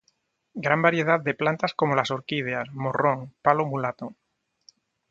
Gran variedad de plantas como la orquídeas, morrón, palo mulato.